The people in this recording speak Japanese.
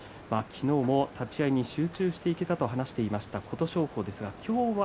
昨日も立ち合いに集中していけたという話をしていた琴勝峰ですね。